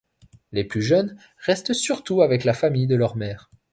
Les plus jeunes restent surtout avec la famille de leur mère.